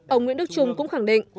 ông nguyễn đức trung cũng khẳng định